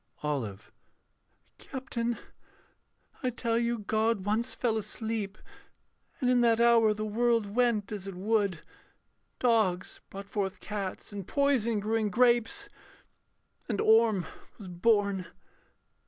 OLIVE. Captain, I tell you God once fell asleep. And in that hour the world went as it would; Dogs brought forth cats, and poison grew in grapes, And Orm was born....